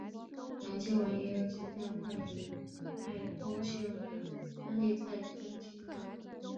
杨经文也有几项关于排风系统的专利在申请中。